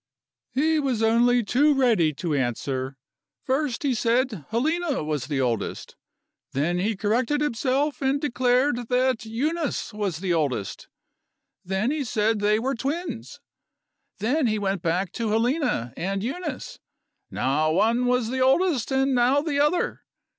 "'He was only too ready to answer. First, he said Helena was the oldest then he corrected himself, and declared that Eunice was the oldest then he said they were twins then he went back to Helena and Eunice. Now one was the oldest, and now the other.